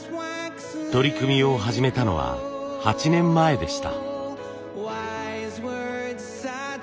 取り組みを始めたのは８年前でした。